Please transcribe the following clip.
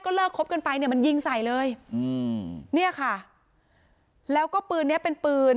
เลิกคบกันไปเนี่ยมันยิงใส่เลยอืมเนี่ยค่ะแล้วก็ปืนเนี้ยเป็นปืน